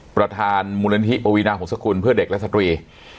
ประธานมูลนิธิปวีนาหงษกุลเพื่อเด็กและสตรี